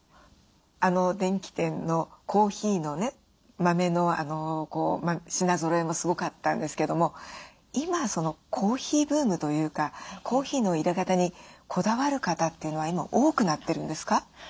あの電気店のコーヒーのね豆の品ぞろえもすごかったんですけども今コーヒーブームというかコーヒーのいれ方にこだわる方というのは今多くなってるんですか？